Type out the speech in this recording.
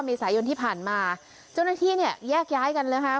ในสายยนต์ที่ผ่านมาจนที่เนี่ยแยกย้ายกันเลยค่ะ